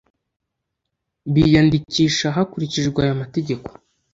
biyandikisha hakurikijwe aya mategeko .